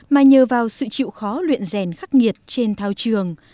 mà nhờ vào sự chịu khó luyện rèn khắc nghiệt trên thao trường